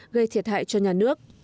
gây thiệt hại cho nhà nước